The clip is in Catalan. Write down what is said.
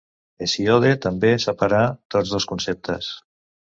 Hesíode també separà tots dos conceptes.